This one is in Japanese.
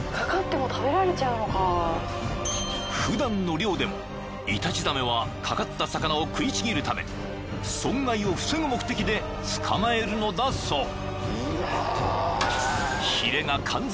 ［普段の漁でもイタチザメは掛かった魚を食いちぎるため損害を防ぐ目的で捕まえるのだそう］